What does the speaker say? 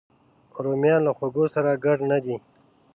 رومیان له خوږو سره ګډ نه دي